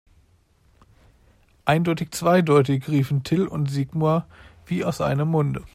Eindeutig zweideutig, riefen Till und Sigmar wie aus einem Munde.